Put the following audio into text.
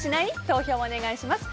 投票をお願いします。